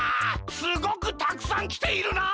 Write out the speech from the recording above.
すごくたくさんきているな！